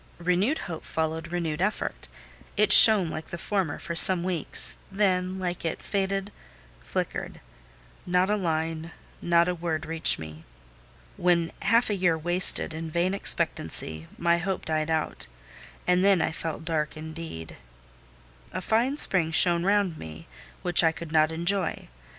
Renewed hope followed renewed effort: it shone like the former for some weeks, then, like it, it faded, flickered: not a line, not a word reached me. When half a year wasted in vain expectancy, my hope died out, and then I felt dark indeed. A fine spring shone round me, which I could not enjoy.